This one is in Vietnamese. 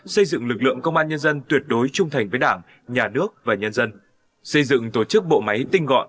xây dựng lực lượng công an nhân dân tuyệt đối trung thành với đảng nhà nước và nhân dân xây dựng tổ chức bộ máy tinh gọn